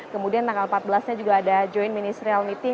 kemudian tanggal empat belas nya juga ada joint ministerial meeting